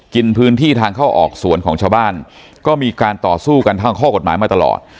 กินพื้นที่ทางเข้าออกสวนของชาวบ้านก็มีการต่อสู้กันทางข้อกฎหมายมาตลอด